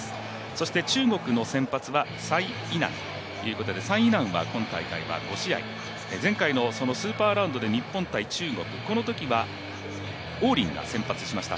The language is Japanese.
そして中国の先発は柴イ楠ということで柴イ楠は今大会は５試合、前回のスーパーラウンドで日本×中国、このときは黄燐が先発しました。